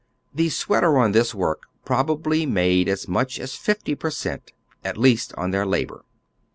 The sweater on tliis work probably made as much aa fifty per cent, at least on their labor.